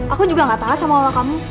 aku juga gak tau sama mama kamu